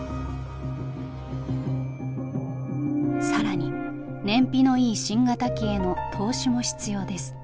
更に燃費のいい新型機への投資も必要です。